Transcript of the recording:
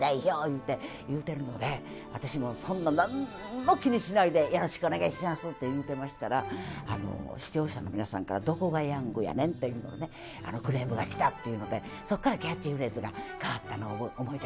ゆうて言うてるので私も何も気にしないで「よろしくお願いします」って言うてましたら視聴者の皆さんから「どこがヤングやねん」っていうねクレームが来たっていうのでそっからキャッチフレーズが変わったのを思い出します。